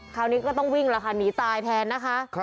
คราวนี้ก็ต้องวิ่งแล้วค่ะหนีตายแทนนะคะ